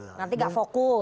nanti nggak fokus